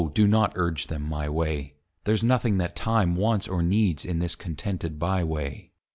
do not urge them my way; There's nothing that Time wants or needs In this contented by way.